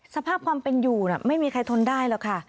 สภาพความเป็นอยู่ไม่มีใครทนได้หรอกค่ะ